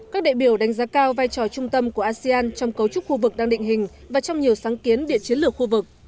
các đại biểu đánh giá cao vai trò trung tâm của asean trong cấu trúc khu vực đang định hình và trong nhiều sáng kiến địa chiến lược khu vực